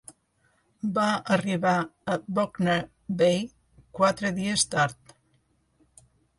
Va arribar a Buckner Bay quatre dies tard.